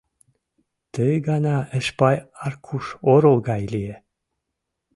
Ты гана Эшпай Аркуш орол гай лие.